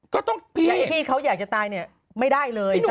ไอ้ที่เขาอยากจะตายเนี่ยไม่ได้เลย